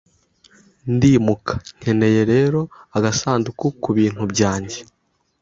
Ndimuka, nkeneye rero agasanduku kubintu byanjye.